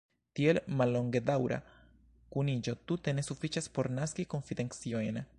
Tiel mallongedaŭra kuniĝo tute ne sufiĉas por naski konfidenciojn.